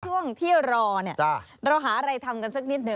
ช่วงที่รอเนี่ยเราหาอะไรทำกันสักนิดหนึ่ง